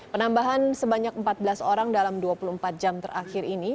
penambahan sebanyak empat belas orang dalam dua puluh empat jam terakhir ini